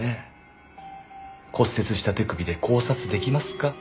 骨折した手首で絞殺出来ますか？